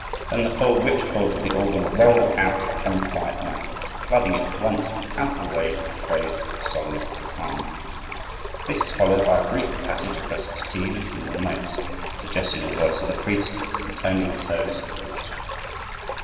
Then the full, rich chords of the organ roll out upon the quiet night, flooding it at once with ample waves of grave, solemn harmony. This is followed by a brief passage of recitative in single notes, suggesting the voice of the priest intoning the service within the chapel.